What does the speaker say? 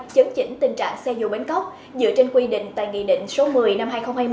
chứng chỉnh tình trạng xe vô bến cốc dựa trên quy định tại nghị định số một mươi năm hai nghìn hai mươi